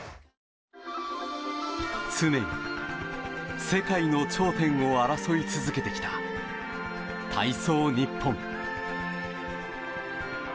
常に世界の頂点を争い続けてきた、体操日本。